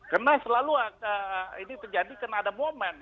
karena selalu ini terjadi karena ada momen